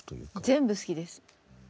全部好きです。